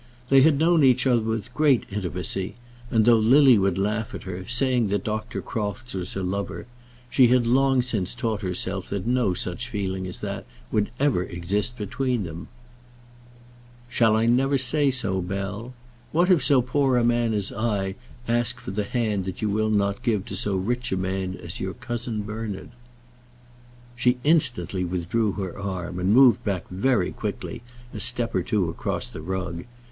They had known each other with great intimacy, and though Lily would still laugh at her, saying that Dr. Crofts was her lover, she had long since taught herself that no such feeling as that would ever exist between them. "Shall I never say so, Bell? What if so poor a man as I ask for the hand that you will not give to so rich a man as your cousin Bernard?" She instantly withdrew her arm and moved back very quickly a step or two across the rug.